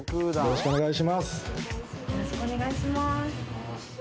よろしくお願いします。